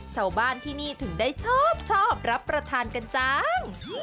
ชาวบ้านที่นี่ถึงได้ชอบรับประทานกันจัง